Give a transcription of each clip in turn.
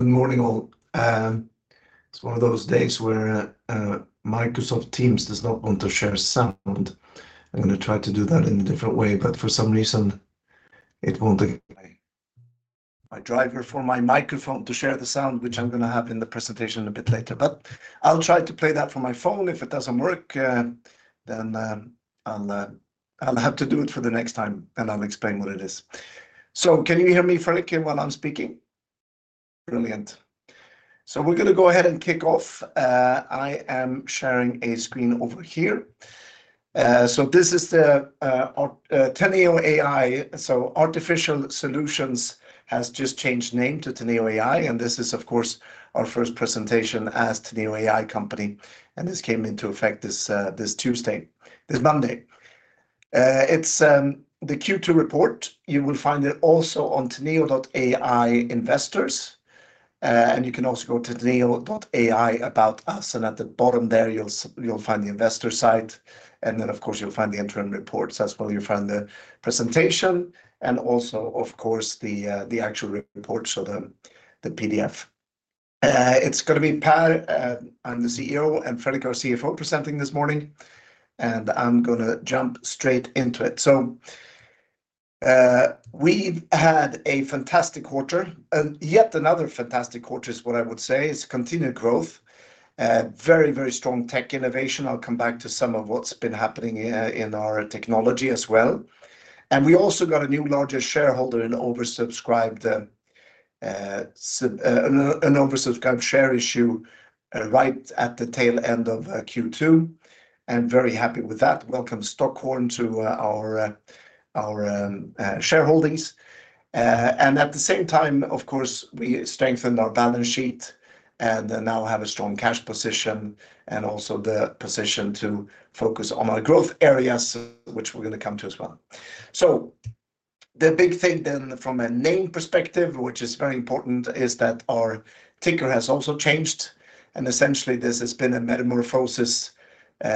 Good morning, all. It's one of those days where Microsoft Teams does not want to share sound. I'm gonna try to do that in a different way, but for some reason, it won't play. My driver for my microphone to share the sound, which I'm gonna have in the presentation a bit later. But I'll try to play that from my phone. If it doesn't work, then I'll have to do it for the next time, and I'll explain what it is. So can you hear me, Fredrik, while I'm speaking? Brilliant. So we're gonna go ahead and kick off. I am sharing a screen over here. So this is the Teneo AI. So Artificial Solutions has just changed name to Teneo AI, and this is, of course, our first presentation as Teneo AI company, and this came into effect this Tuesday, this Monday. It's the Q2 report. You will find it also on teneo.ai/investors. And you can also go to teneo.ai/about-us, and at the bottom there, you'll find the investor site, and then, of course, you'll find the interim reports as well. You'll find the presentation and also, of course, the actual report, so the PDF. It's gonna be Per, I'm the CEO, and Fredrik, our CFO, presenting this morning, and I'm gonna jump straight into it. So, we've had a fantastic quarter, and yet another fantastic quarter is what I would say. It's continued growth, very, very strong tech innovation. I'll come back to some of what's been happening in our technology as well. And we also got a new largest shareholder in an oversubscribed share issue right at the tail end of Q2, and very happy with that. Welcome, Stockhorn, to our shareholdings. And at the same time, of course, we strengthened our balance sheet, and now have a strong cash position and also the position to focus on our growth areas, which we're gonna come to as well. So the big thing then, from a name perspective, which is very important, is that our ticker has also changed, and essentially, this has been a metamorphosis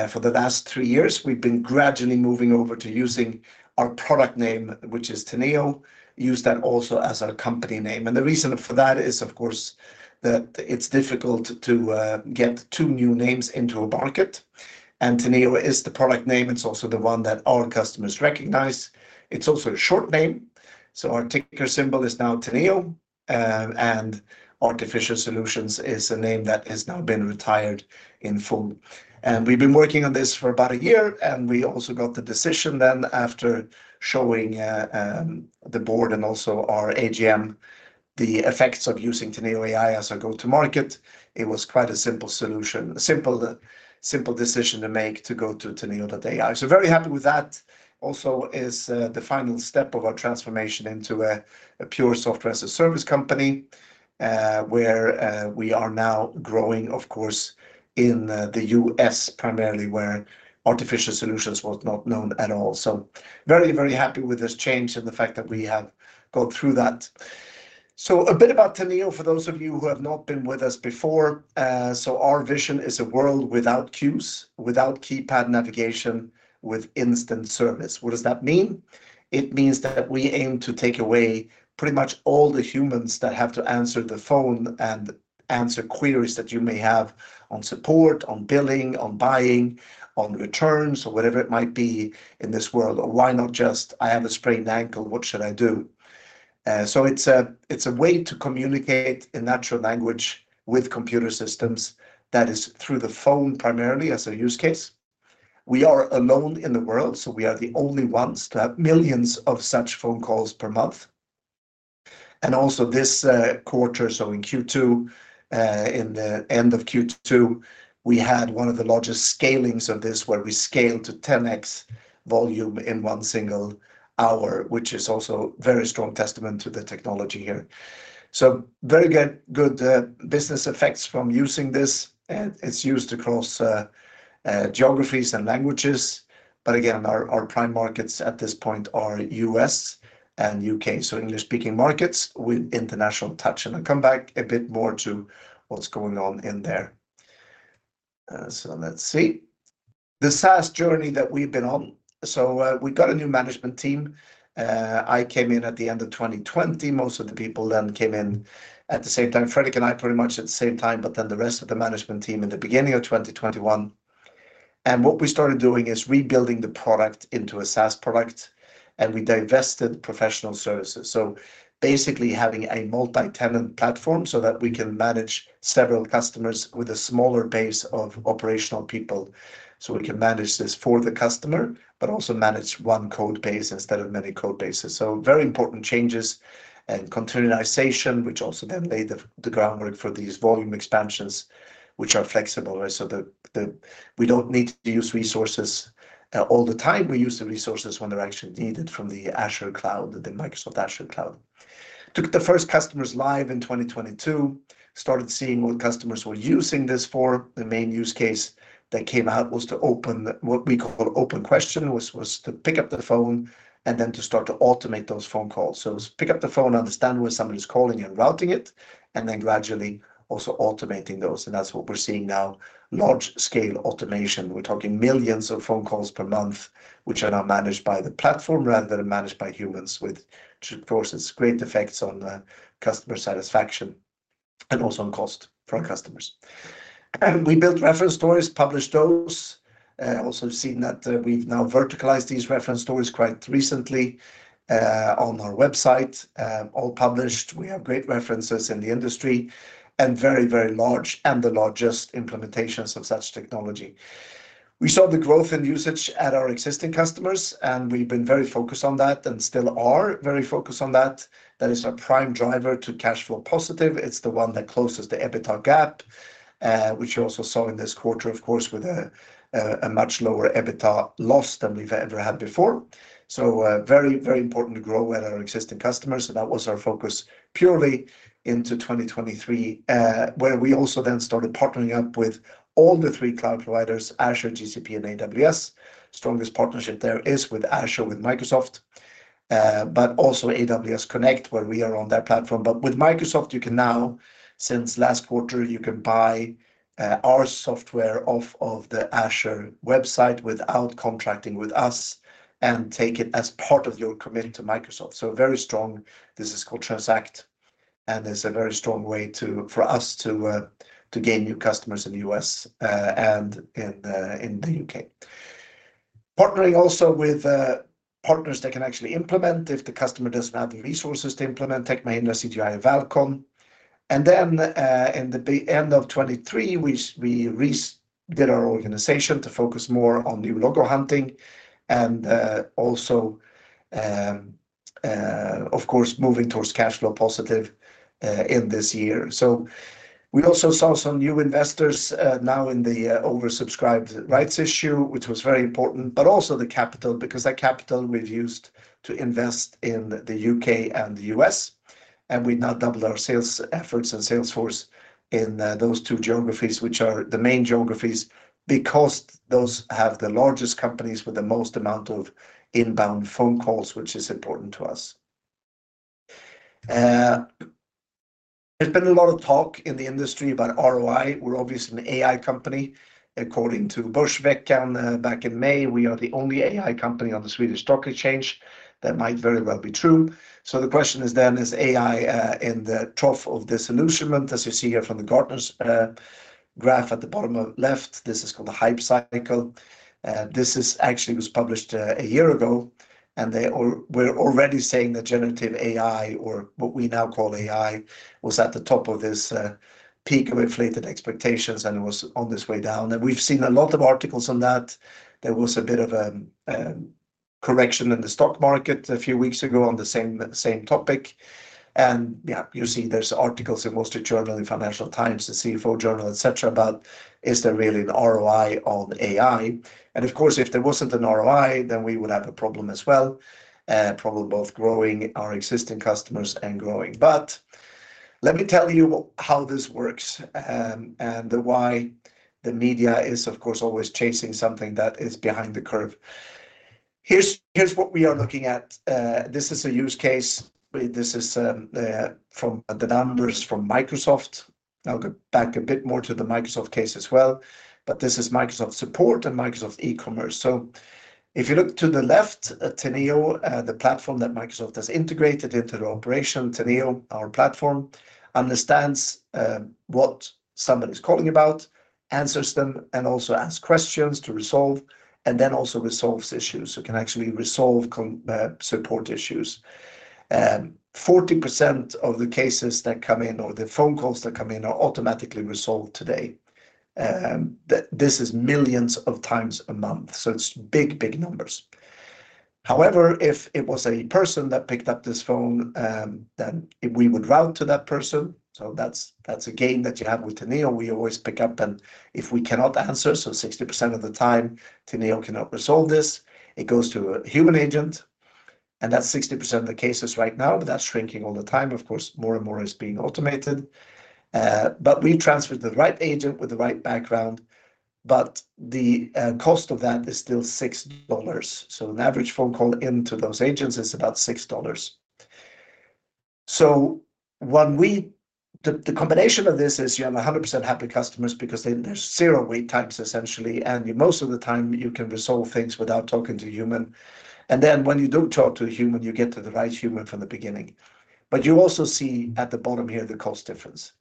for the last three years. We've been gradually moving over to using our product name, which is Teneo, use that also as our company name. And the reason for that is, of course, that it's difficult to get two new names into a market. Teneo is the product name. It's also the one that our customers recognize. It's also a short name, so our ticker symbol is now Teneo, and Artificial Solutions is a name that has now been retired in full. And we've been working on this for about a year, and we also got the decision then, after showing the board and also our AGM, the effects of using Teneo AI as our go-to-market. It was quite a simple solution, a simple, simple decision to make to go to teneo.ai. So very happy with that. Also is the final step of our transformation into a pure software as a service company, where we are now growing, of course, in the U.S., primarily, where Artificial Solutions was not known at all. So very, very happy with this change and the fact that we have gone through that. So a bit about Teneo, for those of you who have not been with us before, so our vision is a world without queues, without keypad navigation, with instant service. What does that mean? It means that we aim to take away pretty much all the humans that have to answer the phone and answer queries that you may have on support, on billing, on buying, on returns, or whatever it might be in this world. Or why not just, "I have a sprained ankle, what should I do?" So it's a way to communicate in natural language with computer systems, that is, through the phone, primarily as a use case. We are alone in the world, so we are the only ones to have millions of such phone calls per month. And also this quarter, so in Q2, in the end of Q2, we had one of the largest scalings of this, where we scaled to 10x volume in one single hour, which is also very strong testament to the technology here. So very good business effects from using this. It's used across geographies and languages, but again, our prime markets at this point are U.S. and U.K., so English-speaking markets with international touch, and I'll come back a bit more to what's going on in there. So let's see the SaaS journey that we've been on. We got a new management team. I came in at the end of 2020. Most of the people then came in at the same time. Fredrik and I, pretty much at the same time, but then the rest of the management team in the beginning of 2021, and what we started doing is rebuilding the product into a SaaS product, and we divested professional services. So basically, having a multi-tenant platform so that we can manage several customers with a smaller base of operational people, so we can manage this for the customer, but also manage one code base instead of many code bases. So very important changes and containerization, which also then laid the groundwork for these volume expansions, which are flexible, right? So we don't need to use resources all the time. We use the resources when they're actually needed from the Azure cloud, the Microsoft Azure cloud. Took the first customers live in twenty twenty-two, started seeing what customers were using this for. The main use case that came out was to open, what we call open question, was to pick up the phone and then to start to automate those phone calls. So it was pick up the phone, understand where somebody's calling and routing it, and then gradually also automating those, and that's what we're seeing now, large-scale automation. We're talking millions of phone calls per month, which are now managed by the platform rather than managed by humans, which of course has great effects on customer satisfaction and also on cost for our customers. We built reference stories, published those, also seen that we've now verticalized these reference stories quite recently on our website, all published. We have great references in the industry, and very, very large, and the largest implementations of such technology. We saw the growth in usage at our existing customers, and we've been very focused on that, and still are very focused on that. That is our prime driver to cash flow positive. It's the one that closes the EBITDA gap, which you also saw in this quarter, of course, with a much lower EBITDA loss than we've ever had before. So, very, very important to grow with our existing customers, so that was our focus purely into 2023, where we also then started partnering up with all the three cloud providers, Azure, GCP, and AWS. Strongest partnership there is with Azure, with Microsoft, but also Amazon Connect, where we are on their platform. But with Microsoft, you can now, since last quarter, you can buy our software off of the Azure website without contracting with us and take it as part of your commitment to Microsoft. So very strong. This is called Transact, and it's a very strong way for us to gain new customers in the U.S. and in the U.K. Partnering also with partners that can actually implement if the customer doesn't have the resources to implement, Tech Mahindra, CGI, and Valcon. Then, in the back end of 2023, we did our organization to focus more on new logo hunting, and also, of course, moving towards cash flow positive in this year. So we also saw some new investors now in the oversubscribed rights issue, which was very important, but also the capital, because that capital we've used to invest in the U.K. and the U.S., and we now doubled our sales efforts and sales force in those two geographies, which are the main geographies, because those have the largest companies with the most amount of inbound phone calls, which is important to us. There's been a lot of talk in the industry about ROI. We're obviously an AI company. According to Börsveckan back in May, we are the only AI company on the Swedish Stock Exchange. That might very well be true. So the question is then, is AI in the trough of disillusionment, as you see here from the Gartner's graph at the bottom of left? This is called the hype cycle. This is actually was published a year ago, and they were already saying that generative AI, or what we now call AI, was at the top of this peak of inflated expectations, and it was on this way down. We've seen a lot of articles on that. There was a bit of a correction in the stock market a few weeks ago on the same topic. Yeah, you see there's articles in Wall Street Journal, in Financial Times, the CFO Journal, et cetera, about, "Is there really an ROI on AI?" Of course, if there wasn't an ROI, then we would have a problem as well, a problem both growing our existing customers and growing, but let me tell you how this works, and why the media is, of course, always chasing something that is behind the curve. Here's, here's what we are looking at. This is a use case. This is from the numbers from Microsoft. I'll go back a bit more to the Microsoft case as well, but this is Microsoft Support and Microsoft E-commerce. So if you look to the left at Teneo, the platform that Microsoft has integrated into the operation, Teneo, our platform, understands what somebody's calling about, answers them, and also asks questions to resolve, and then also resolves issues, so can actually resolve support issues. 40% of the cases that come in or the phone calls that come in are automatically resolved today. This is millions of times a month, so it's big, big numbers. However, if it was a person that picked up this phone, then we would route to that person. So that's a gain that you have with Teneo. We always pick up, and if we cannot answer, so 60% of the time, Teneo cannot resolve this, it goes to a human agent, and that's 60% of the cases right now, but that's shrinking all the time. Of course, more and more is being automated, but we transfer to the right agent with the right background, but the cost of that is still $6. So an average phone call into those agents is about $6. So the combination of this is you have 100% happy customers because they, there's zero wait times, essentially, and most of the time, you can resolve things without talking to a human. And then when you do talk to a human, you get to the right human from the beginning. But you also see at the bottom here, the cost difference.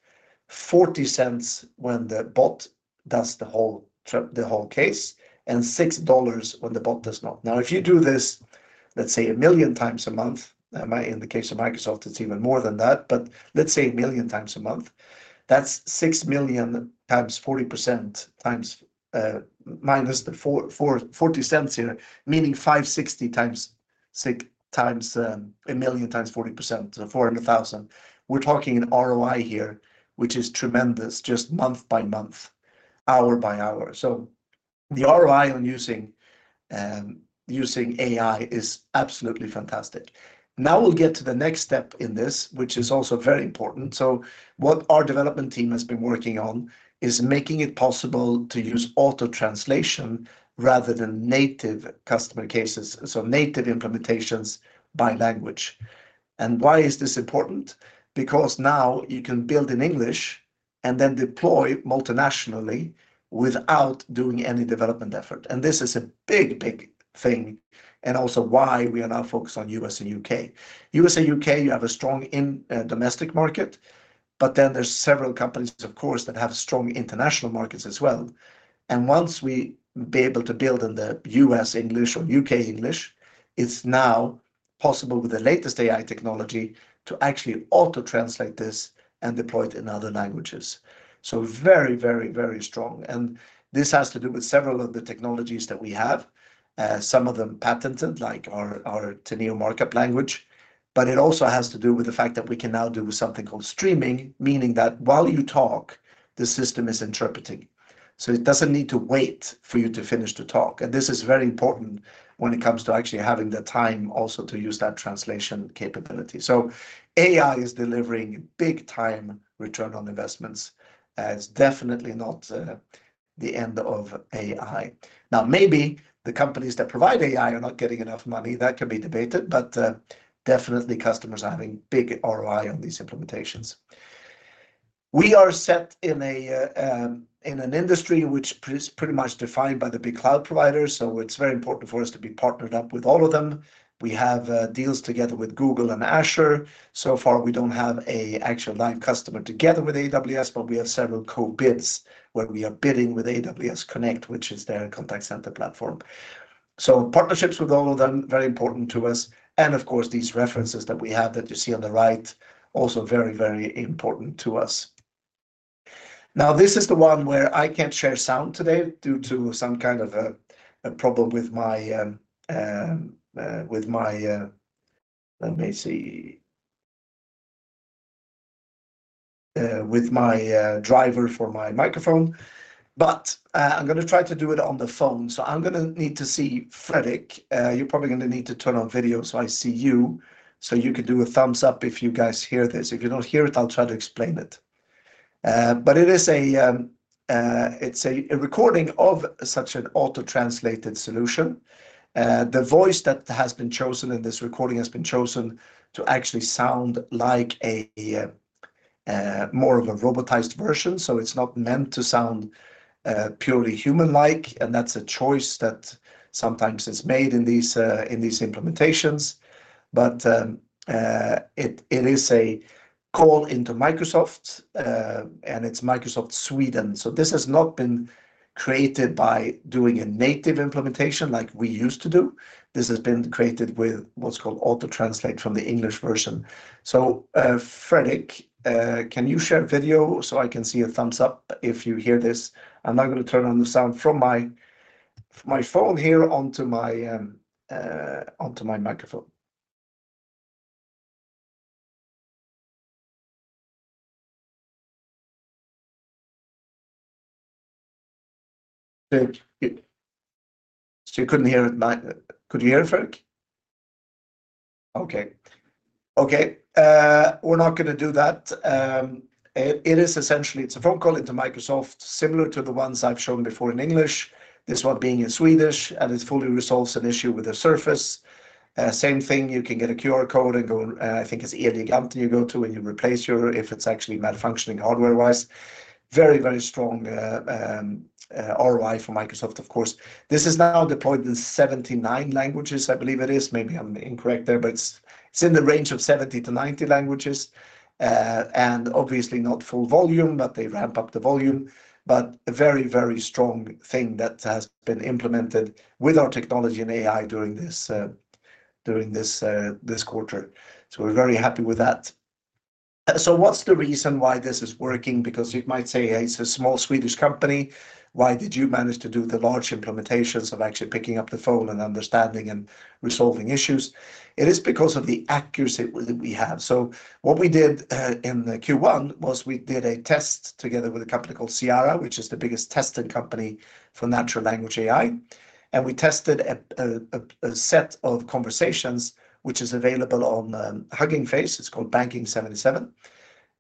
$0.40 when the bot does the whole case, and $6 when the bot does not. Now, if you do this, let's say, 1 million times a month, in the case of Microsoft, it's even more than that, but let's say 1 million times a month, that's 6 million times 40% times, minus the $0.40 here, meaning $5.60 times 6, times, 1 million times 40%, $400,000. We're talking an ROI here, which is tremendous, just month by month, hour by hour. So the ROI on using AI is absolutely fantastic. Now we'll get to the next step in this, which is also very important. So what our development team has been working on is making it possible to use auto-translate rather than native customer cases, so native implementations by language. And why is this important? Because now you can build in English and then deploy multinationally without doing any development effort. And this is a big, big thing, and also why we are now focused on U.S. and U.K. U.S. and U.K., you have a strong in domestic market, but then there's several companies, of course, that have strong international markets as well. And once we be able to build in the U.S. English or U.K. English, it's now possible with the latest AI technology to actually auto-translate this and deploy it in other languages. So very, very, very strong. And this has to do with several of the technologies that we have, some of them patented, like our, our Teneo Markup Language. But it also has to do with the fact that we can now do something called Streaming, meaning that while you talk, the system is interpreting, so it doesn't need to wait for you to finish the talk. And this is very important when it comes to actually having the time also to use that translation capability. So AI is delivering big time return on investments, it's definitely not, the end of AI. Now, maybe the companies that provide AI are not getting enough money. That can be debated, but, definitely customers are having big ROI on these implementations. We are set in an industry which is pretty much defined by the big cloud providers, so it's very important for us to be partnered up with all of them. We have deals together with Google and Azure. So far, we don't have an actual live customer together with AWS, but we have several co-bids, where we are bidding with Amazon Connect, which is their contact center platform. So partnerships with all of them, very important to us, and of course, these references that we have that you see on the right, also very, very important to us. Now, this is the one where I can't share sound today due to some kind of a problem with my... Let me see. With my driver for my microphone, but I'm gonna need to see Fredrik. You're probably gonna need to turn on video, so I see you, so you could do a thumbs up if you guys hear this. If you don't hear it, I'll try to explain it. It is a recording of such an auto-translated solution. The voice that has been chosen in this recording has been chosen to actually sound like a more of a robotized version, so it's not meant to sound purely human-like, and that's a choice that sometimes is made in these implementations. It is a call into Microsoft, and it's Microsoft Sweden. So this has not been created by doing a native implementation like we used to do. This has been created with what's called Auto-translate from the English version. So, Fredrik, can you share video so I can see a thumbs up if you hear this? I'm now gonna turn on the sound from my phone here onto my microphone. So you couldn't hear it. Could you hear it, Fredrik? Okay. Okay, we're not gonna do that. It is essentially a phone call into Microsoft, similar to the ones I've shown before in English, this one being in Swedish, and it fully resolves an issue with the Surface. Same thing, you can get a QR code and go, I think it's Elgiganten you go to, and you replace your, if it's actually malfunctioning hardware-wise. Very, very strong ROI for Microsoft, of course. This is now deployed in seventy-nine languages, I believe it is. Maybe I'm incorrect there, but it's, it's in the range of seventy to ninety languages. And obviously not full volume, but they ramp up the volume. But a very, very strong thing that has been implemented with our technology and AI during this quarter, so we're very happy with that. So what's the reason why this is working? Because you might say, "Hey, it's a small Swedish company. Why did you manage to do the large implementations of actually picking up the phone and understanding and resolving issues?" It is because of the accuracy that we have. So what we did in the Q1 was we did a test together with a company called Cyara, which is the biggest testing company for natural language AI, and we tested a set of conversations which is available on Hugging Face. It's called Banking77.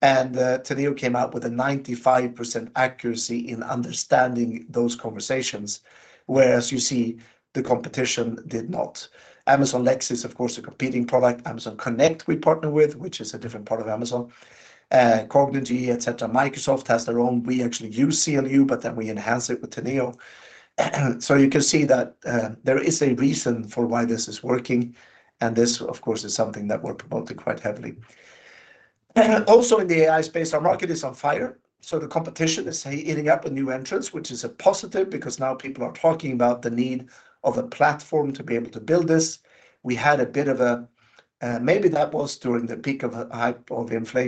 And Teneo came out with a 95% accuracy in understanding those conversations, whereas you see, the competition did not. Amazon Lex is, of course, a competing product. Amazon Connect, we partner with, which is a different part of Amazon, Cognigy, et cetera. Microsoft has their own. We actually use CLU, but then we enhance it with Teneo. So you can see that there is a reason for why this is working, and this, of course, is something that we're promoting quite heavily. Also, in the AI space, our market is on fire, so the competition is heating up with new entrants, which is a positive, because now people are talking about the need of a platform to be able to build this. We had a bit of a, maybe that was during the peak of the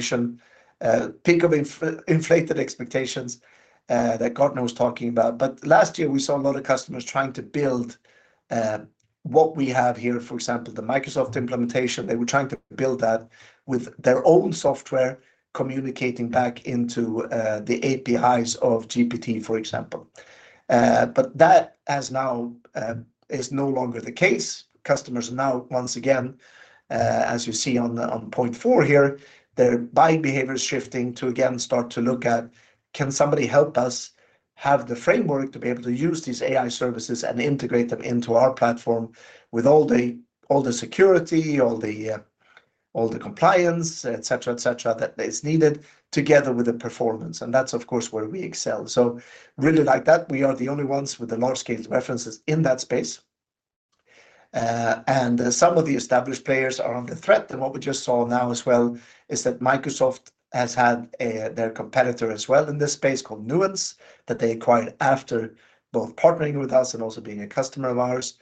inflated expectations that Gartner was talking about. But last year, we saw a lot of customers trying to build what we have here, for example, the Microsoft implementation, they were trying to build that with their own software, communicating back into the APIs of GPT, for example. But that has now is no longer the case. Customers are now, once again, as you see on point four here, their buying behavior is shifting to again start to look at, "Can somebody help us have the framework to be able to use these AI services and integrate them into our platform with all the compliance, et cetera, et cetera, that is needed together with the performance," and that's, of course, where we excel, so really like that, we are the only ones with the large-scale references in that space, and some of the established players are under threat, and what we just saw now as well is that Microsoft has had a, their competitor as well in this space, called Nuance, that they acquired after both partnering with us and also being a customer of ours.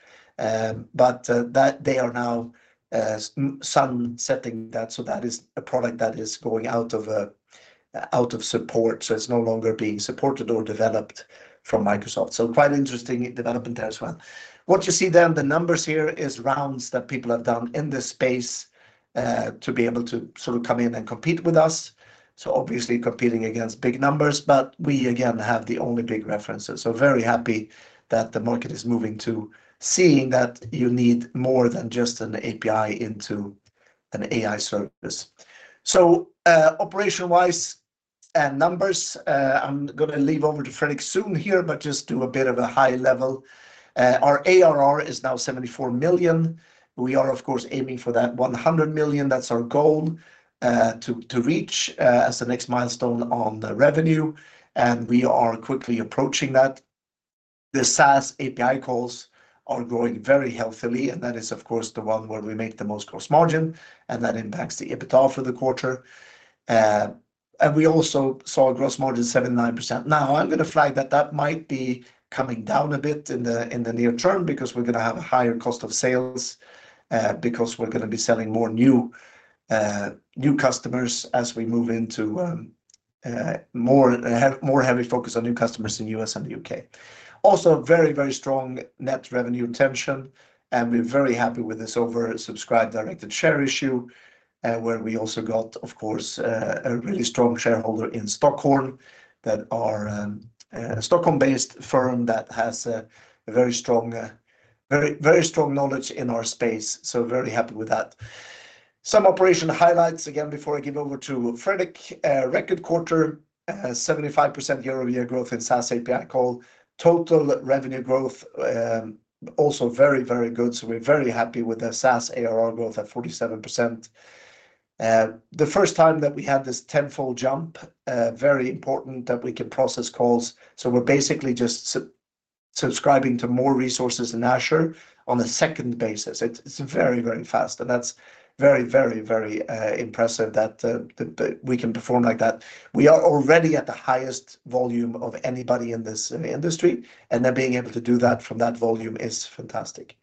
But that they are now sun-setting that, so that is a product that is going out of support, so it's no longer being supported or developed from Microsoft. So quite interesting development there as well. What you see then, the numbers here is rounds that people have done in this space to be able to sort of come in and compete with us. So obviously competing against big numbers, but we, again, have the only big references. So very happy that the market is moving to seeing that you need more than just an API into an AI service. So operation-wise numbers, I'm gonna leave over to Fredrik soon here, but just do a bit of a high level. Our ARR is now 74 million. We are, of course, aiming for that 100 million. That's our goal, to reach as the next milestone on the revenue, and we are quickly approaching that. The SaaS API calls are growing very healthily, and that is, of course, the one where we make the most gross margin, and that impacts the EBITDA for the quarter. And we also saw a gross margin, 79%. Now, I'm gonna flag that that might be coming down a bit in the near term because we're gonna have a higher cost of sales, because we're gonna be selling more new customers as we move into more heavy focus on new customers in U.S. and the U.K. Also, very, very strong net revenue retention, and we're very happy with this oversubscribed directed share issue, where we also got, of course, a really strong shareholder in Stockholm, that are a Stockholm-based firm that has a, a very strong, very, very strong knowledge in our space, so very happy with that. Some operation highlights, again, before I give over to Fredrik. Record quarter, 75% year-over-year growth in SaaS API call. Total revenue growth, also very, very good, so we're very happy with the SaaS ARR growth at 47%. The first time that we had this tenfold jump, very important that we can process calls, so we're basically just subscribing to more resources in Azure on a second basis. It's very, very fast, and that's very, very, very impressive that we can perform like that. We are already at the highest volume of anybody in the industry, and then being able to do that from that volume is fantastic.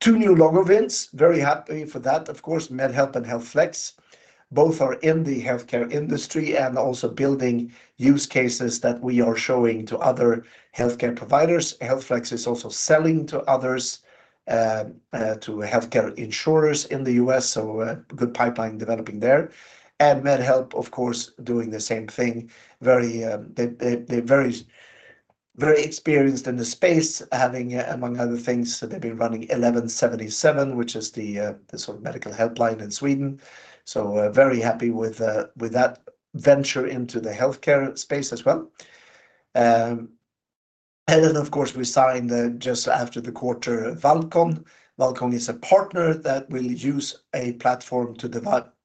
Two new logo wins, very happy for that, of course, MedHelp and HealthFlex. Both are in the healthcare industry and also building use cases that we are showing to other healthcare providers. HealthFlex is also selling to others to healthcare insurers in the U.S., so a good pipeline developing there. And MedHelp, of course, doing the same thing. Very. They're very, very experienced in the space, having, among other things, they've been running 1177, which is the sort of medical helpline in Sweden. So we're very happy with that venture into the healthcare space as well. And then, of course, we signed just after the quarter, Valcon. Valcon is a partner that will use a platform to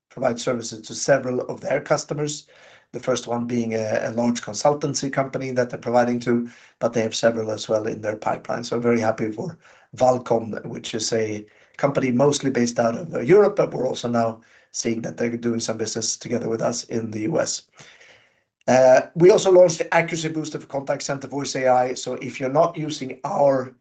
provide services to several of their customers. The first one being a large consultancy company that they're providing to, but they have several as well in their pipeline. So very happy for Valcon, which is a company mostly based out of Europe, but we're also now seeing that they're doing some business together with us in the U.S. We also launched the accuracy booster for contact center voice AI. So if you're not using our,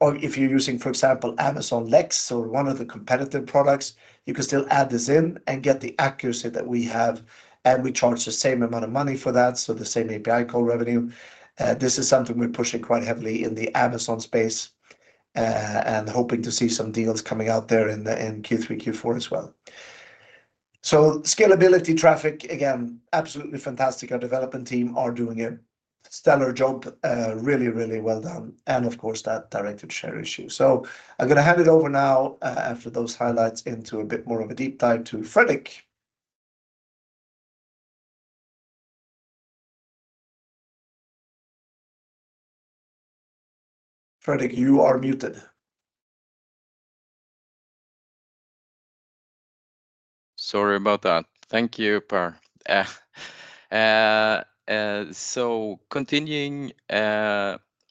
or if you're using, for example, Amazon Lex or one of the competitive products, you can still add this in and get the accuracy that we have, and we charge the same amount of money for that, so the same API call revenue. This is something we're pushing quite heavily in the Amazon space, and hoping to see some deals coming out there in Q3, Q4 as well. Scalability traffic, again, absolutely fantastic. Our development team are doing a stellar job. Really, really well done. And of course, that directed share issue. I'm gonna hand it over now, after those highlights, into a bit more of a deep dive to Fredrik. Fredrik, you are muted. Sorry about that. Thank you, Per. So continuing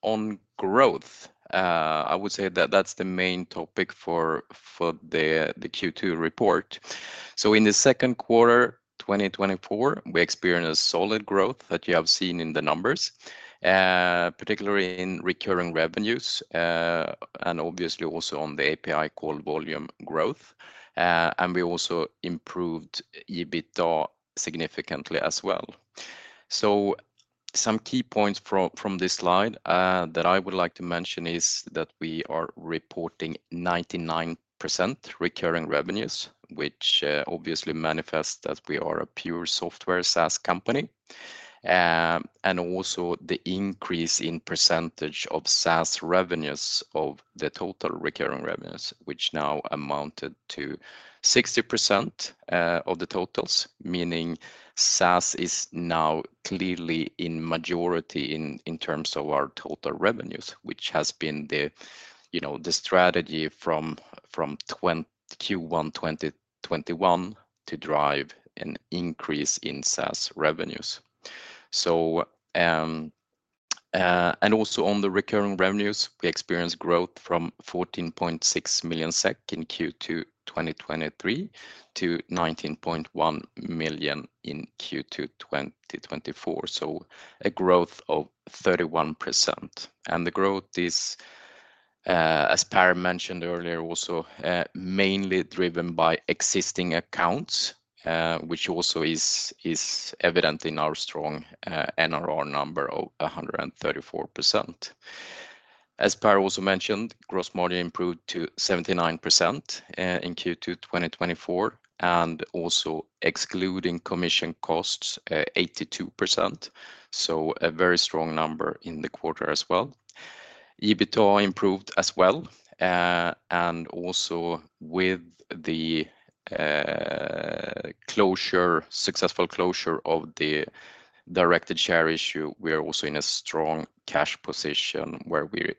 on growth, I would say that that's the main topic for the Q2 report. So in the second quarter 2024, we experienced solid growth that you have seen in the numbers, particularly in recurring revenues, and obviously also on the API call volume growth. And we also improved EBITDA significantly as well. So some key points from this slide that I would like to mention is that we are reporting 99% recurring revenues, which obviously manifest that we are a pure software SaaS company. And also the increase in percentage of SaaS revenues of the total recurring revenues, which now amounted to 60% of the totals, meaning SaaS is now clearly in majority in terms of our total revenues, which has been the, you know, the strategy from Q1 2021 to drive an increase in SaaS revenues. So, and also on the recurring revenues, we experienced growth from 14.6 million SEK in Q2 2023 to 19.1 million SEK in Q2 2024. So a growth of 31%. And the growth is, as Per mentioned earlier, also mainly driven by existing accounts, which also is evident in our strong NRR number of 134%. As Per also mentioned, gross margin improved to 79% in Q2 2024, and also excluding commission costs, 82%. So a very strong number in the quarter as well. EBITDA improved as well. And also with the successful closure of the directed share issue, we are also in a strong cash position, where we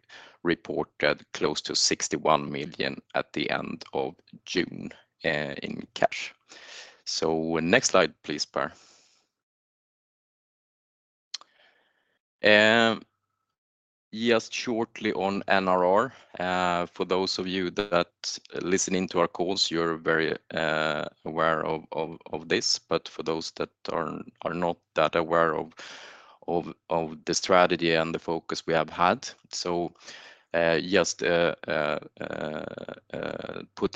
reported close to 61 million at the end of June in cash. So next slide, please, Per. Just shortly on NRR, for those of you that listening to our calls, you're very aware of this, but for those that are not that aware of the strategy and the focus we have had. So just put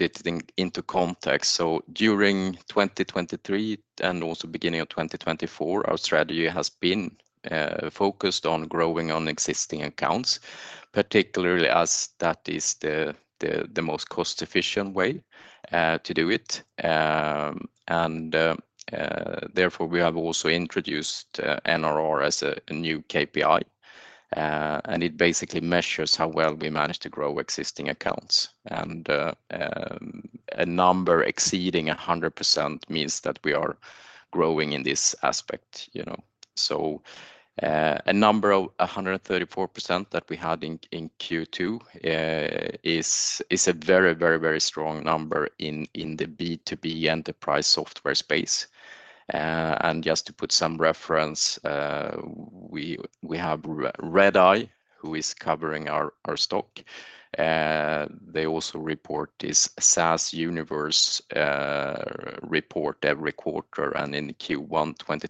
it into context. So during 2023 and also beginning of 2024, our strategy has been focused on growing on existing accounts, particularly as that is the most cost-efficient way to do it. Therefore, we have also introduced NRR as a new KPI. It basically measures how well we manage to grow existing accounts. A number exceeding 100% means that we are growing in this aspect, you know. So a number of 134% that we had in Q2 is a very strong number in the B2B enterprise software space. Just to put some reference, we have Redeye, who is covering our stock. They also report this SaaS universe report every quarter, and in Q1 twenty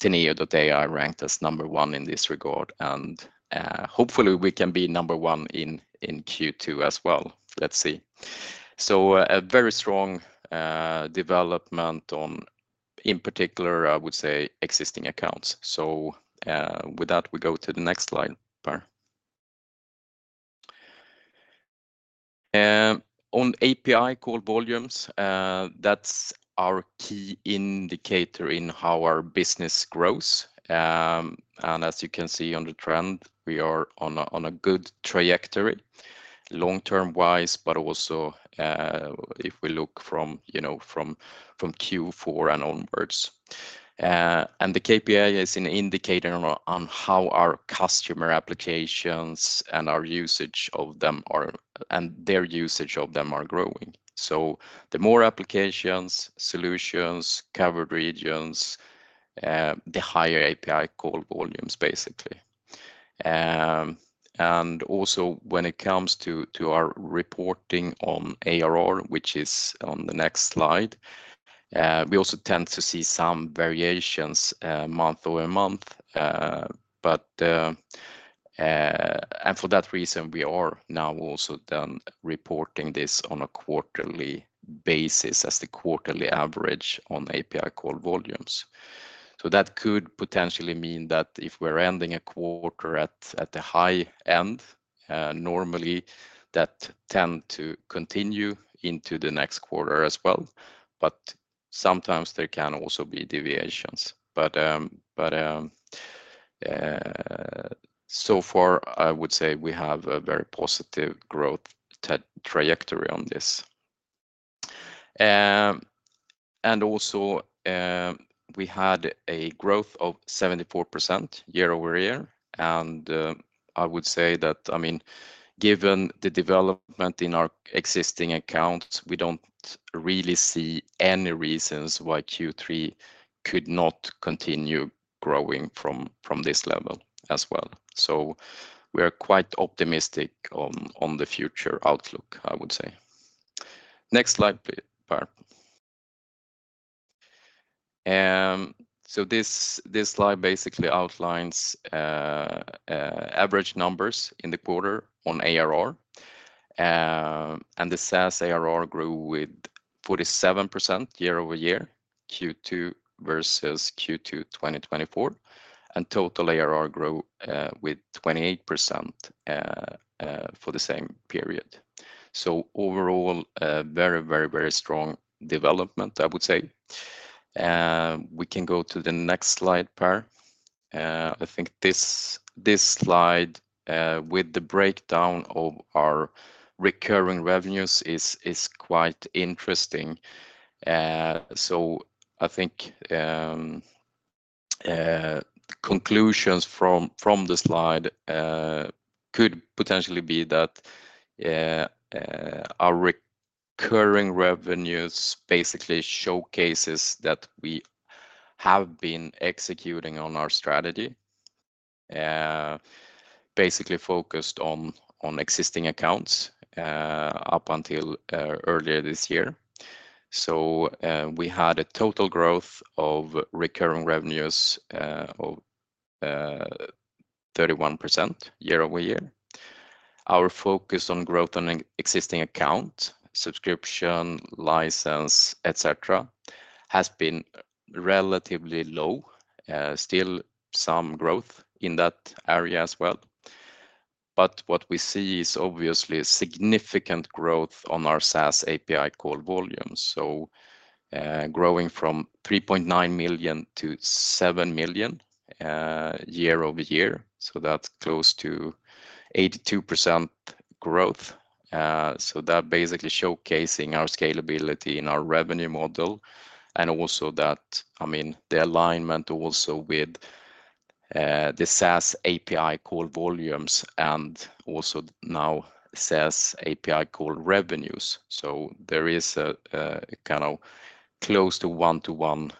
twenty-four, Teneo.ai ranked as number one in this regard, and hopefully, we can be number one in Q2 as well. Let's see. So a very strong development on, in particular, I would say, existing accounts. So with that, we go to the next slide, Per. On API call volumes, that's our key indicator in how our business grows. And as you can see on the trend, we are on a good trajectory long-term wise, but also, if we look from, you know, from Q4 and onwards. And the KPI is an indicator on how our customer applications and our usage of them are, and their usage of them are growing. So the more applications, solutions, covered regions, the higher API call volumes, basically. And also when it comes to our reporting on ARR, which is on the next slide, we also tend to see some variations month over month. But for that reason, we are now also then reporting this on a quarterly basis as the quarterly average on API call volumes. So that could potentially mean that if we're ending a quarter at the high end, normally that tend to continue into the next quarter as well, but sometimes there can also be deviations. But so far, I would say we have a very positive growth trajectory on this. And also, we had a growth of 74% year over year, and I would say that, I mean, given the development in our existing accounts, we don't really see any reasons why Q3 could not continue growing from this level as well. So we are quite optimistic on the future outlook, I would say. Next slide, Per. So this slide basically outlines average numbers in the quarter on ARR. And the SaaS ARR grew with 47% year over year, Q2 versus Q2 2024, and total ARR grew with 28% for the same period. So overall, a very, very, very strong development, I would say. We can go to the next slide, Per. I think this slide with the breakdown of our recurring revenues is quite interesting. So I think the conclusions from the slide could potentially be that our recurring revenues basically showcases that we have been executing on our strategy, basically focused on existing accounts up until earlier this year. We had a total growth of recurring revenues of 31% year over year. Our focus on growth on an existing account, subscription, license, et cetera, has been relatively low, still some growth in that area as well. But what we see is obviously a significant growth on our SaaS API call volume, so growing from 3.9 million to 7 million year over year, so that's close to 82% growth. So that basically showcasing our scalability and our revenue model, and also that, I mean, the alignment also with the SaaS API call volumes, and also now SaaS API call revenues. So there is a kind of close to one-to-one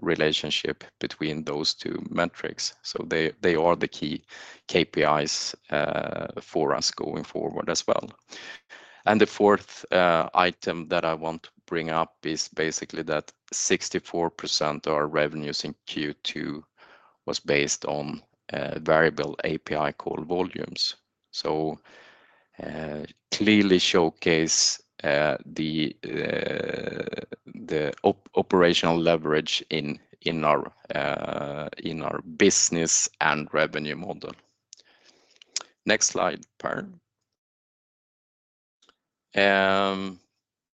relationship between those two metrics. So they are the key KPIs for us going forward as well, and the fourth item that I want to bring up is basically that 64% of our revenues in Q2 was based on variable API call volumes. So clearly showcase the operational leverage in our business and revenue model. Next slide, Per.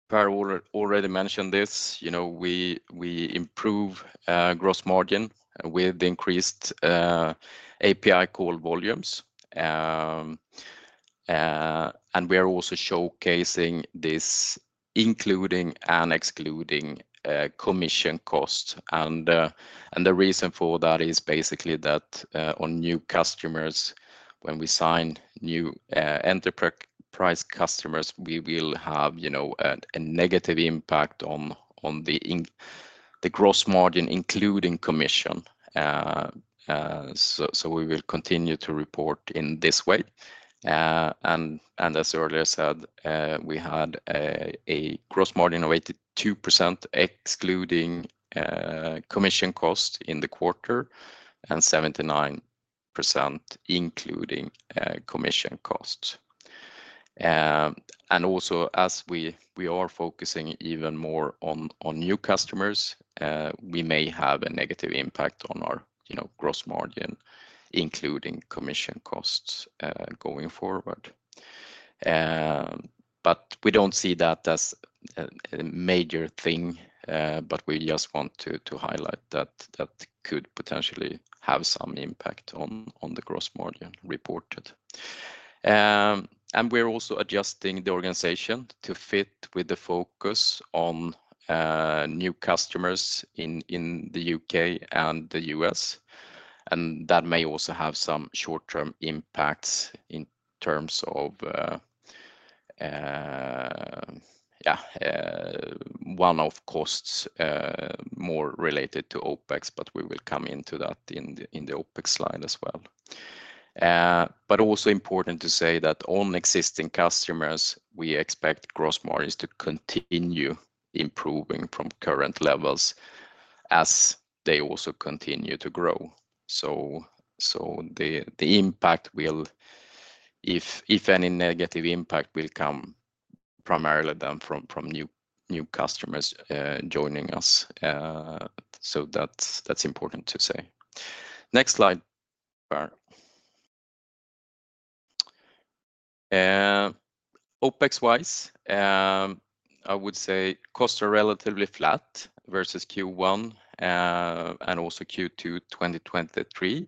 Per already mentioned this, you know, we improve gross margin with increased API call volumes, and we are also showcasing this, including and excluding commission cost. The reason for that is basically that on new customers, when we sign new enterprise customers, we will have, you know, a negative impact on the gross margin, including commission. So we will continue to report in this way. As earlier said, we had a gross margin of 82%, excluding commission cost in the quarter, and 79%, including commission costs. Also, as we are focusing even more on new customers, we may have a negative impact on our, you know, gross margin, including commission costs, going forward, but we don't see that as a major thing, but we just want to highlight that that could potentially have some impact on the gross margin reported. And we're also adjusting the organization to fit with the focus on new customers in the UK and the US, and that may also have some short-term impacts in terms of one-off costs, more related to OpEx, but we will come into that in the OpEx slide as well. But also important to say that on existing customers, we expect gross margins to continue improving from current levels as they also continue to grow. So the impact will. If any negative impact will come primarily down from new customers joining us, so that's important to say. Next slide, Per. OpEx-wise, I would say costs are relatively flat versus Q1 and also Q2 2023.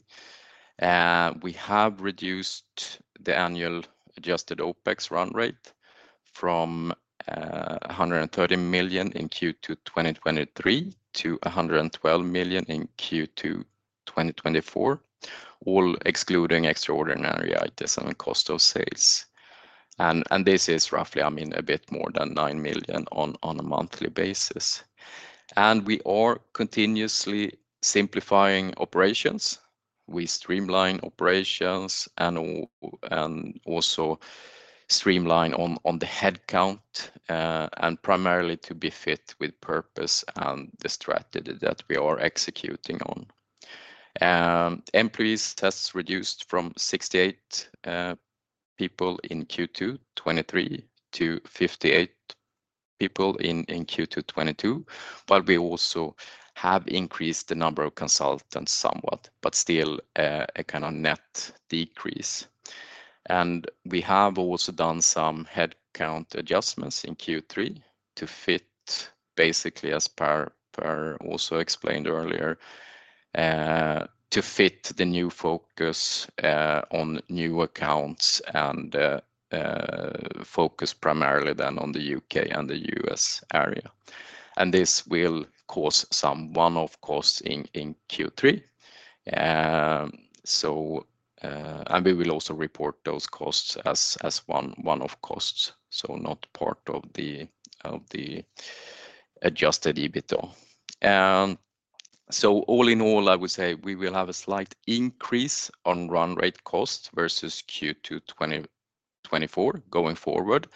We have reduced the annual adjusted OpEx run rate from 130 million in Q2 2023 to 112 million in Q2 2024, all excluding extraordinary items and cost of sales. This is roughly, I mean, a bit more than 9 million on a monthly basis. We are continuously simplifying operations. We streamline operations and also streamline on the headcount, and primarily to be fit with purpose and the strategy that we are executing on. Employees has reduced from 68 people in Q2 2023 to 58 people in Q2 2022, while we also have increased the number of consultants somewhat, but still a kind of net decrease. We have also done some headcount adjustments in Q3 to fit, basically, as Per also explained earlier, to fit the new focus on new accounts and focus primarily then on the UK and the US area. This will cause some one-off costs in Q3. So, and we will also report those costs as one-off costs, so not part of the adjusted EBITDA. So all in all, I would say we will have a slight increase on run rate costs versus Q2 2024 going forward.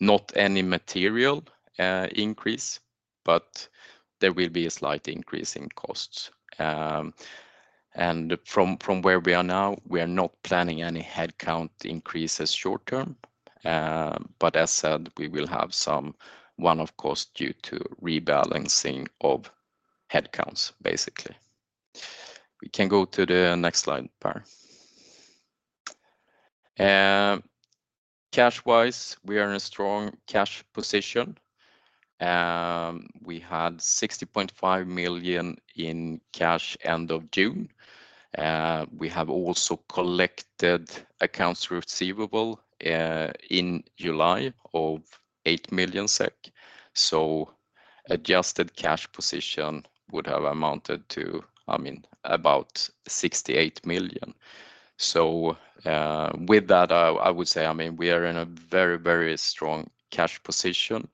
Not any material increase, but there will be a slight increase in costs. From where we are now, we are not planning any headcount increases short term. But as said, we will have some one-off costs due to rebalancing of headcounts, basically. We can go to the next slide, Per. Cash-wise, we are in a strong cash position. We had 60.5 million SEK in cash at the end of June. We have also collected accounts receivable in July of 8 million SEK. So the adjusted cash position would have amounted to, I mean, about 68 million SEK. So with that, I would say, I mean, we are in a very, very strong cash position.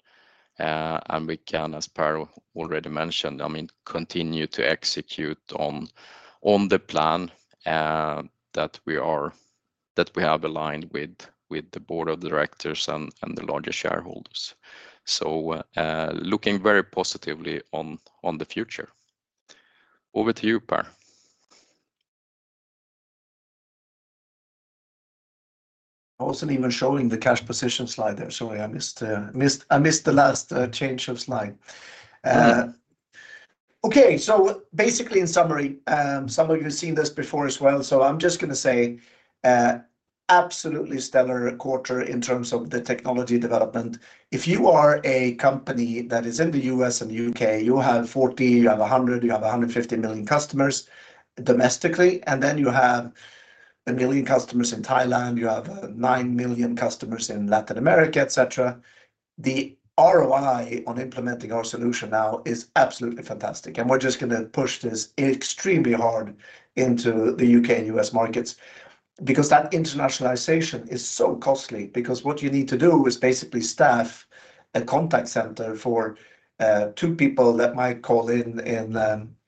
And we can, as Per already mentioned, I mean, continue to execute on the plan that we have aligned with the board of directors and the larger shareholders. So looking very positively on the future. Over to you, Per. I wasn't even showing the cash position slide there. Sorry, I missed the last change of slide. Mm-hmm. Okay. So basically, in summary, some of you have seen this before as well, so I'm just gonna say, absolutely stellar quarter in terms of the technology development. If you are a company that is in the U.S. and U.K., you have forty, you have a hundred, you have a hundred and fifty million customers domestically, and then you have a million customers in Thailand, you have, nine million customers in Latin America, et cetera. The ROI on implementing our solution now is absolutely fantastic, and we're just gonna push this extremely hard into the U.K. and U.S. markets. Because that internationalization is so costly, because what you need to do is basically staff a contact center for two people that might call in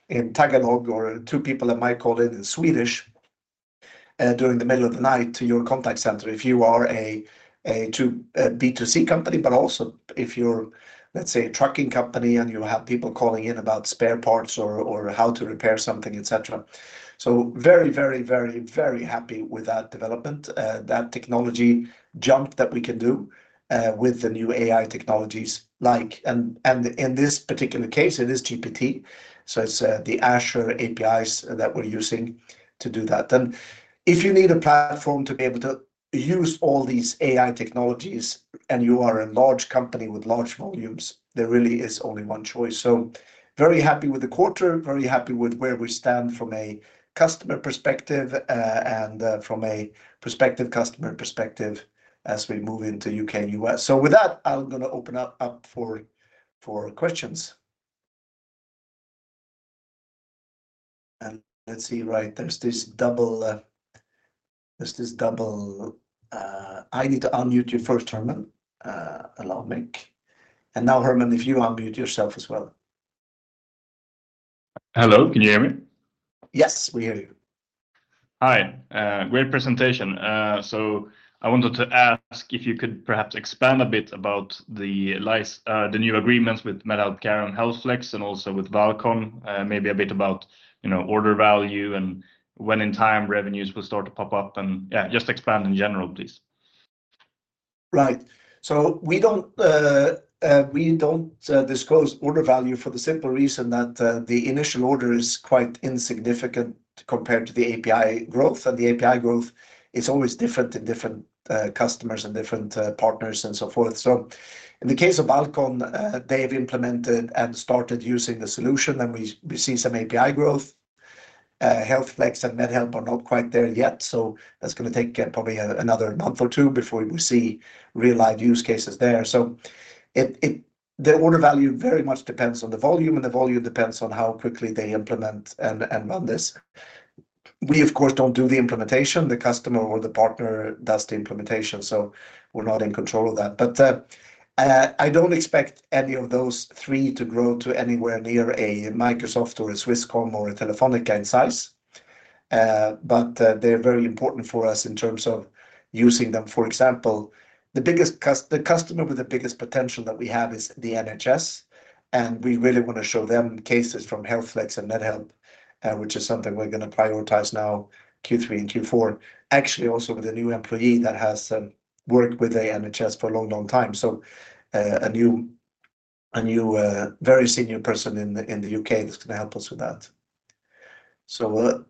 in Tagalog, or two people that might call in in Swedish during the middle of the night to your contact center if you are a B2C company, but also if you're, let's say, a trucking company, and you have people calling in about spare parts or how to repair something, et cetera. So very, very, very, very happy with that development that technology jump that we can do with the new AI technologies like... and, and in this particular case, it is GPT, so it's the Azure APIs that we're using to do that. If you need a platform to be able to use all these AI technologies, and you are a large company with large volumes, there really is only one choice. So very happy with the quarter, very happy with where we stand from a customer perspective, and from a prospective customer perspective as we move into U.K. and U.S. So with that, I'm gonna open up for questions. And let's see, right, there's this double... I need to unmute you first, Herman. Allow mic. And now, Herman, if you unmute yourself as well. Hello, can you hear me? Yes, we hear you. Hi, great presentation. So I wanted to ask if you could perhaps expand a bit about the new agreements with MedHelp Care and HealthFlex, and also with Valcon. Maybe a bit about, you know, order value and when in time revenues will start to pop up and, yeah, just expand in general, please. Right. So we don't disclose order value for the simple reason that the initial order is quite insignificant compared to the API growth, and the API growth is always different in different customers and different partners and so forth. So in the case of Valcon, they've implemented and started using the solution, and we see some API growth. HealthFlex and MedHelp are not quite there yet, so that's gonna take probably another month or two before we see real live use cases there. So it, it... The order value very much depends on the volume, and the volume depends on how quickly they implement and run this. We, of course, don't do the implementation. The customer or the partner does the implementation, so we're not in control of that. But I don't expect any of those three to grow to anywhere near a Microsoft or a Swisscom or a Telefónica in size. But they're very important for us in terms of using them. For example, the biggest customer with the biggest potential that we have is the NHS, and we really wanna show them cases from HealthFlex and MedHelp, which is something we're gonna prioritize now, Q3 and Q4. Actually, also with a new employee that has worked with the NHS for a long, long time, so a new very senior person in the UK that's gonna help us with that. So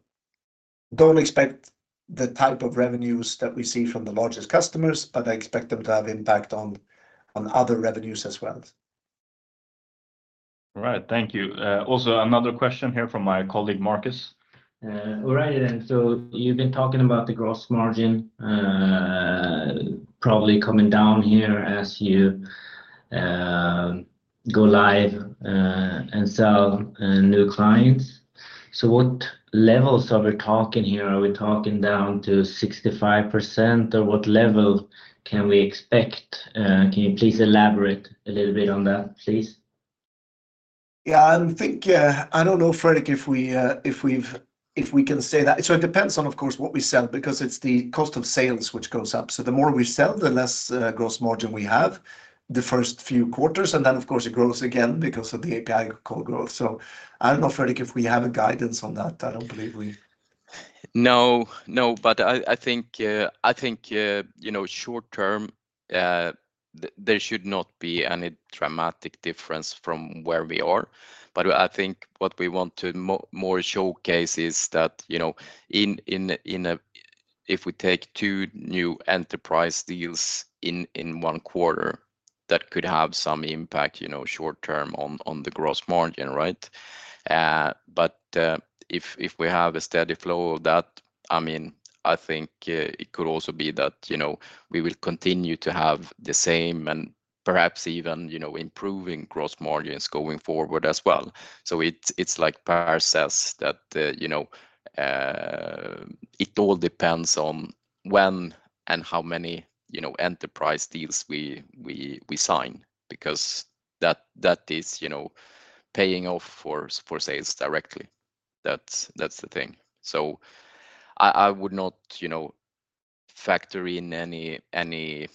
don't expect the type of revenues that we see from the largest customers, but I expect them to have impact on other revenues as well. All right, thank you. Also another question here from my colleague, Marcus.... All right then. So you've been talking about the gross margin, probably coming down here as you go live and sell new clients. So what levels are we talking here? Are we talking down to 65%? Or what level can we expect? Can you please elaborate a little bit on that, please? Yeah, I think, I don't know, Fredrik, if we can say that. So it depends on, of course, what we sell, because it's the cost of sales which goes up. So the more we sell, the less gross margin we have the first few quarters, and then, of course, it grows again because of the AI co-growth. So I don't know, Fredrik, if we have a guidance on that. I don't believe we- No, no, but I think, you know, short-term, there should not be any dramatic difference from where we are. But I think what we want to more showcase is that, you know, in a... If we take two new enterprise deals in one quarter, that could have some impact, you know, short-term on the gross margin, right? But if we have a steady flow of that, I mean, I think it could also be that, you know, we will continue to have the same and perhaps even improving gross margins going forward as well. It's like Per says, you know, it all depends on when and how many, you know, enterprise deals we sign, because that is, you know, paying off for sales directly. That's the thing. I would not, you know, factor in any.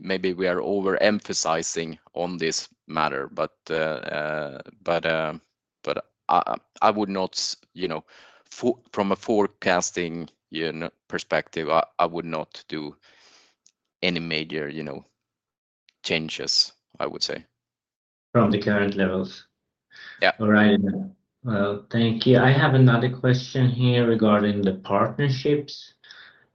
Maybe we are overemphasizing on this matter, but I would not, you know, from a forecasting, you know, perspective, I would not do any major, you know, changes, I would say. From the current levels? Yeah. All right. Thank you. I have another question here regarding the partnerships.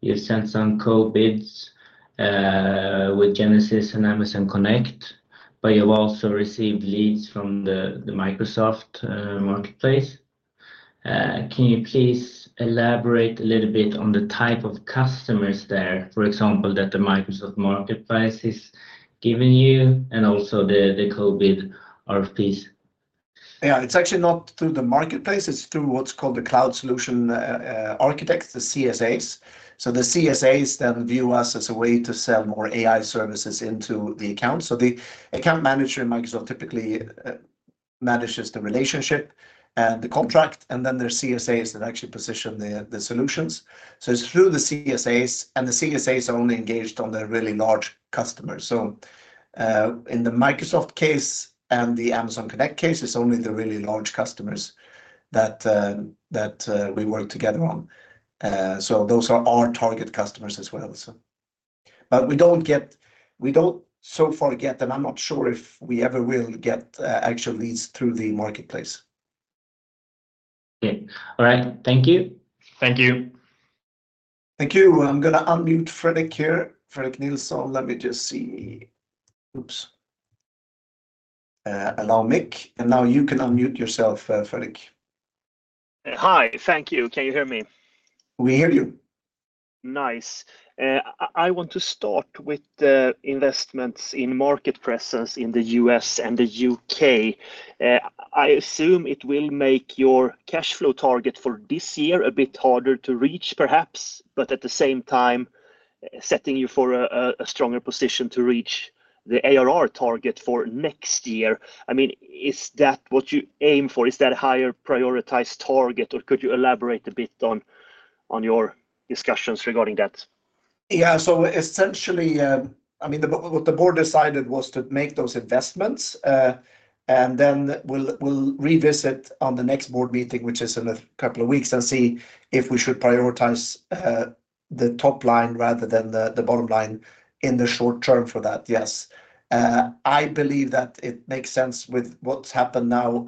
You've sent some co-bids with Genesys and Amazon Connect, but you've also received leads from the Microsoft Marketplace. Can you please elaborate a little bit on the type of customers there, for example, that the Microsoft Marketplace is giving you, and also the co-bid RFPs? Yeah, it's actually not through the marketplace. It's through what's called the cloud solution architects, the CSAs. So the CSAs then view us as a way to sell more AI services into the account. So the account manager in Microsoft typically manages the relationship and the contract, and then there are CSAs that actually position the solutions. So it's through the CSAs, and the CSAs are only engaged on the really large customers. So in the Microsoft case and the Amazon Connect case, it's only the really large customers that we work together on. So those are our target customers as well, so... But we don't get- we don't so far get, and I'm not sure if we ever will get, actual leads through the marketplace. Yeah. All right. Thank you. Thank you. Thank you. I'm gonna unmute Fredrik here, Fredrik Nilsson. Let me just see. Oops. Allow mic, and now you can unmute yourself, Fredrik. Hi, thank you. Can you hear me? We hear you. Nice. I want to start with the investments in market presence in the U.S. and the U.K. I assume it will make your cash flow target for this year a bit harder to reach, perhaps, but at the same time, setting you for a stronger position to reach the ARR target for next year. I mean, is that what you aim for? Is that a higher prioritized target, or could you elaborate a bit on your discussions regarding that? Yeah, so essentially, I mean, what the board decided was to make those investments, and then we'll revisit on the next board meeting, which is in a couple of weeks, and see if we should prioritize the top line rather than the bottom line in the short term for that. Yes, I believe that it makes sense with what's happened now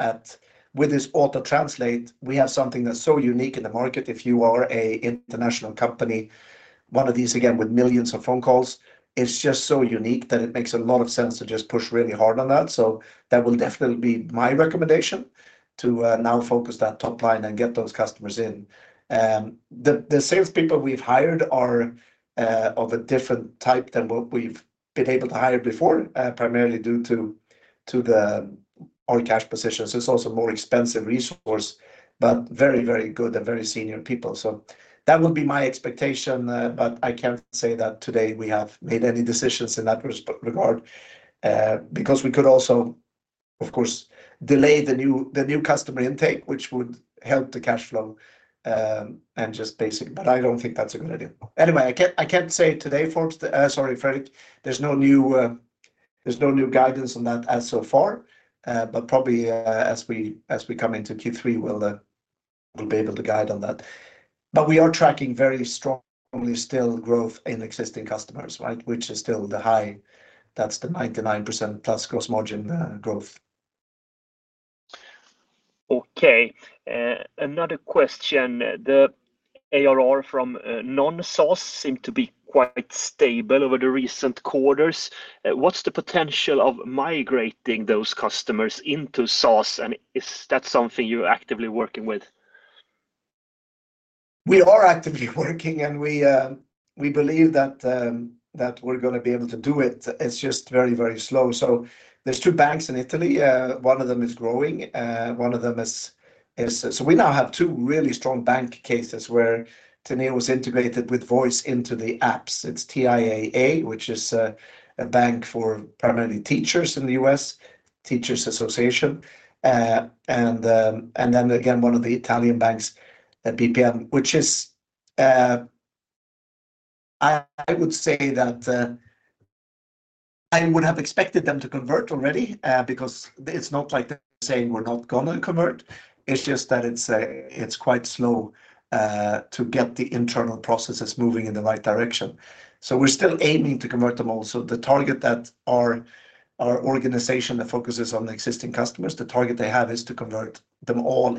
with this auto-translate. We have something that's so unique in the market. If you are an international company, one of these, again, with millions of phone calls, it's just so unique that it makes a lot of sense to just push really hard on that. So that will definitely be my recommendation, to now focus that top line and get those customers in. The salespeople we've hired are of a different type than what we've been able to hire before, primarily due to our cash position. So it's also a more expensive resource, but very, very good and very senior people. So that would be my expectation, but I can't say that today we have made any decisions in that regard. Because we could also, of course, delay the new customer intake, which would help the cash flow, and just basic, but I don't think that's a good idea. Anyway, I can't say today, Faizan, sorry, Fredrik, there's no new guidance on that as so far. But probably, as we come into Q3, we'll be able to guide on that. But we are tracking very strongly still growth in existing customers, right? Which is still the high, that's the 99%-plus gross margin, growth. Okay, another question. ARR from non-SaaS seem to be quite stable over the recent quarters. What's the potential of migrating those customers into SaaS? And is that something you're actively working with? We are actively working, and we believe that we're gonna be able to do it. It's just very, very slow. So there's two banks in Italy. One of them is growing, one of them is so we now have two really strong bank cases where Teneo was integrated with voice into the apps. It's TIAA, which is a bank for primarily teachers in the US, Teachers Association. And then again, one of the Italian banks, Banco BPM, which is. I would say that I would have expected them to convert already, because it's not like they're saying we're not gonna convert. It's just that it's quite slow to get the internal processes moving in the right direction. So we're still aiming to convert them all. So the target that our organization that focuses on the existing customers, the target they have is to convert them all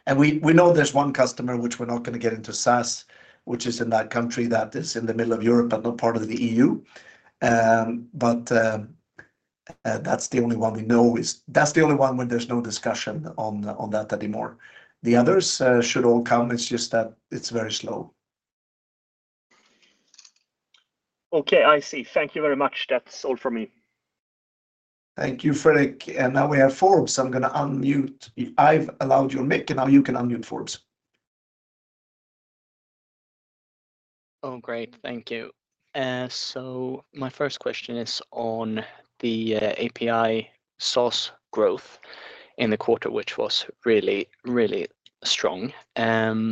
into SaaS. And we know there's one customer which we're not gonna get into SaaS, which is in that country that is in the middle of Europe, but not part of the EU. But that's the only one we know. That's the only one where there's no discussion on that anymore. The others should all come. It's just that it's very slow. Okay, I see. Thank you very much. That's all from me. Thank you, Fredrik. And now we have Faizan. I'm gonna unmute. I've allowed your mic, and now you can unmute, Faizan. Oh, great. Thank you. So my first question is on the API SaaS growth in the quarter, which was really, really strong, and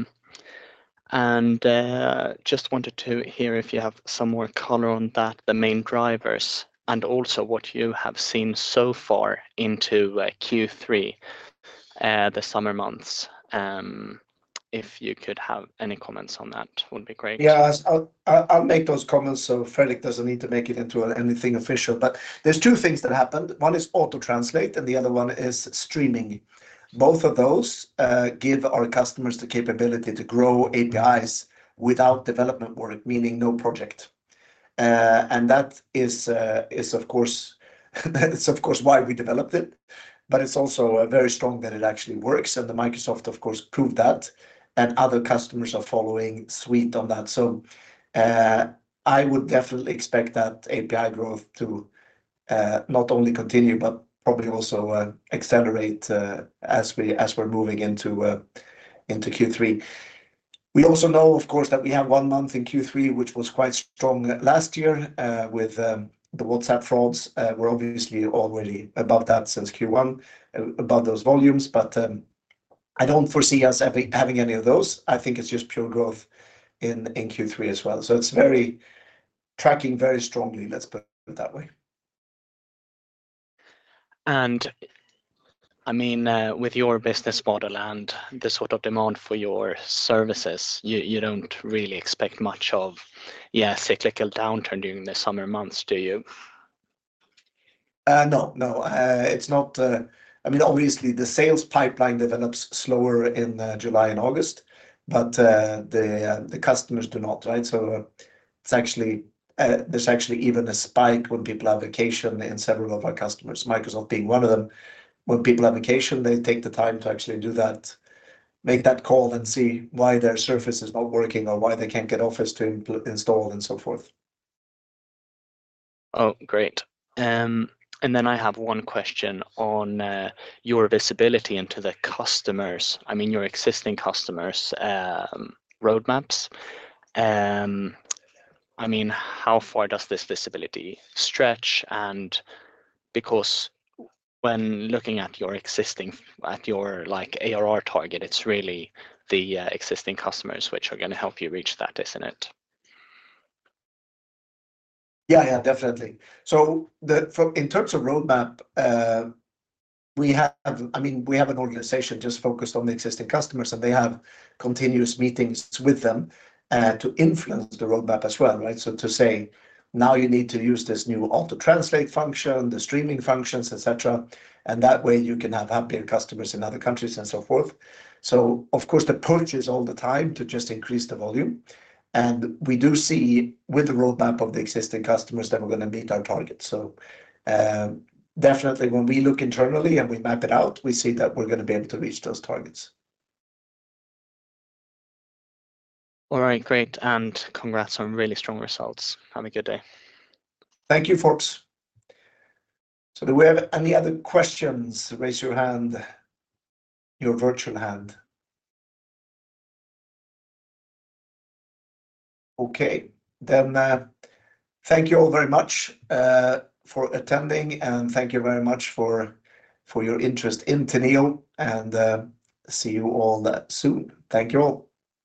just wanted to hear if you have some more color on that, the main drivers, and also what you have seen so far into Q3, the summer months. If you could have any comments on that, would be great. Yeah. I'll make those comments, so Fredrik doesn't need to make it into anything official. But there's two things that happened. One is auto-translate, and the other one is streaming. Both of those give our customers the capability to grow APIs without development work, meaning no project. And that is of course why we developed it, but it's also very strong that it actually works, and the Microsoft, of course, proved that, and other customers are following suit on that. So I would definitely expect that API growth to not only continue but probably also accelerate as we're moving into Q3. We also know, of course, that we have one month in Q3, which was quite strong last year with the WhatsApp threads. We're obviously already above that since Q1, above those volumes, but I don't foresee us having any of those. I think it's just pure growth in Q3 as well. So it's tracking very strongly, let's put it that way. I mean, with your business model and the sort of demand for your services, you don't really expect much of a cyclical downturn during the summer months, do you? No, no. It's not... I mean, obviously, the sales pipeline develops slower in July and August, but the customers do not, right? So it's actually, there's actually even a spike when people have vacation in several of our customers, Microsoft being one of them. When people have vacation, they take the time to actually do that, make that call, and see why their Surface is not working or why they can't get Office to install and so forth. Oh, great. And then I have one question on your visibility into the customers, I mean, your existing customers' roadmaps. I mean, how far does this visibility stretch? And because when looking at your existing ARR target, it's really the existing customers, which are gonna help you reach that, isn't it? Yeah, yeah, definitely. So in terms of roadmap, we have, I mean, we have an organization just focused on the existing customers, and they have continuous meetings with them to influence the roadmap as well, right? So to say, "Now you need to use this new auto-translate function, the streaming functions, et cetera, and that way you can have happier customers in other countries and so forth." So of course, the push is all the time to just increase the volume, and we do see, with the roadmap of the existing customers, that we're gonna meet our target. So, definitely when we look internally and we map it out, we see that we're gonna be able to reach those targets. All right, great, and congrats on really strong results. Have a good day. Thank you, Faizan. So do we have any other questions? Raise your hand, your virtual hand. Okay, then, thank you all very much for attending, and thank you very much for your interest in Teneo, and see you all soon. Thank you all.